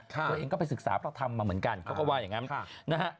ตัวเองก็ไปศึกษาพระธรรมมาเหมือนกันเขาก็ว่าอย่างนั้นนะฮะ